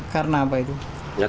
karena apa itu